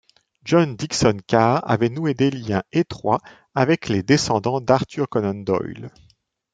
John Dickson Carr avait noué des liens étroits avec les descendants d'Arthur Conan Doyle.